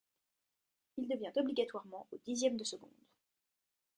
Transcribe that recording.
Il devient obligatoirement au dixième de seconde.